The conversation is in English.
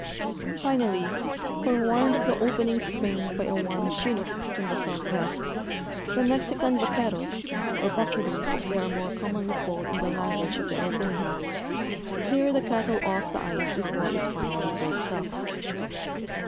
Finally, forewarned of the opening spring by a warm chinook from the southwest, the Mexican vaqueros, or buccaroos, as the}' are more commonly called in the language of the Oregonians, clear the cattle off the ice before it finally breaks U[).